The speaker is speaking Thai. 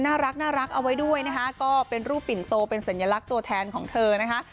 น่ารักเอาไว้ด้วยนะคะก็เป็นรูปปิ่นโตเป็นสัญลักษณ์ตัวแทนของเธอนะคะ